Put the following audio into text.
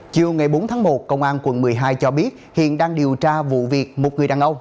chiều ngày bốn tháng một công an quận một mươi hai cho biết hiện đang điều tra vụ việc một người đàn ông